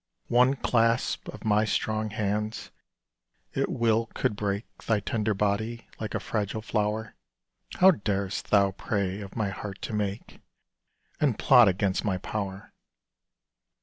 One clasp of my strong hands at will could break Thy tender body, like a fragile flower. How darest thou prey of my heart to make, And plot against my power?